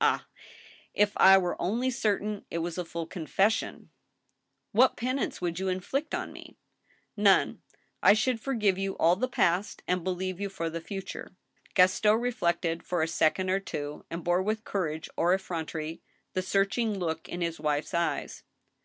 "Ah I if I were only certain it was a full confession !"" What penance would you inflict on me ?"" None. I should forgive you all the past, and believe you for the future." Gaston reflected for a second or two, and bore with courage or effrontery the searching look in his wife's eyes.